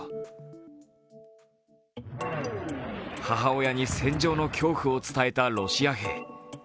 母親に戦場の恐怖を伝えたロシア兵。